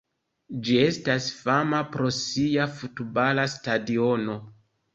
Ĝi estas fama pro sia futbala stadiono.